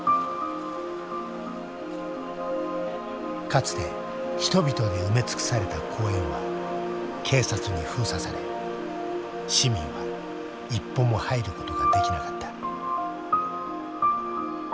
かつて人々で埋め尽くされた公園は警察に封鎖され市民は一歩も入ることができなかった。